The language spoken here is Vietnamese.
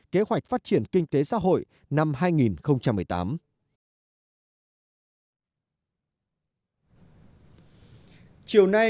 kế hoạch phát triển kinh tế xã hội năm hai nghìn một mươi tám